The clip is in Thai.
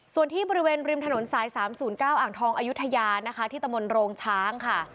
ส่วนที่บริเวณริมถนนสาย๓๐๙อ่างทองอายุทยานะคะที่ตะมนต์โรงช้างค่ะ